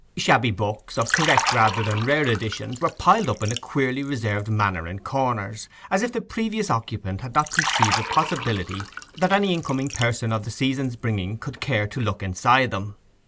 Shabby books, of correct rather than rare editions, were piled up in a queerly reserved manner in corners, as if the previous occupant had not conceived the possibility that any incoming person of the season's bringing could care to look inside them.